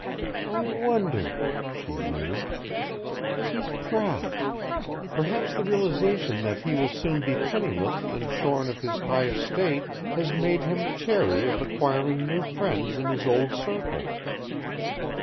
"I wonder," she mused. "He's proud. Perhaps the realization that he will soon be penniless and shorn of his high estate has made him chary of acquiring new friends in his old circle.